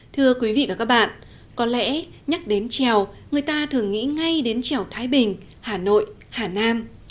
thưa quý vị và các bạn có lẽ nhắc đến trèo người ta thường nghĩ ngay đến trèo thái bình hà nội hà nam